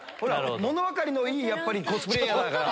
物分かりのいいコスプレーヤーだから。